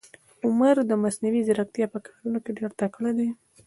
عمر د مصنوي ځیرکتیا په کارونه کې ډېر تکړه ده.